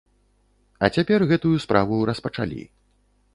А цяпер гэтую справу распачалі.